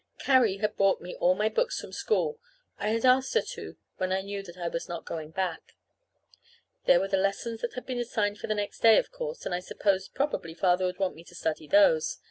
Carrie had brought me all my books from school. I had asked her to when I knew that I was not going back. There were the lessons that had been assigned for the next day, of course, and I supposed probably Father would want me to study those.